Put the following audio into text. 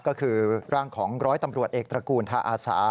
ก็คือร่างของร้อยตำรวจเอกตระกูลทาอาสา